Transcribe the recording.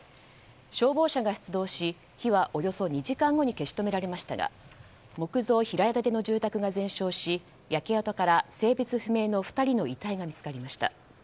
消防車が出動し火はおよそ２時間後に消し止められましたが木造平屋建ての住宅が全焼し焼け跡から性別不明の２人の遺体が見つかりました。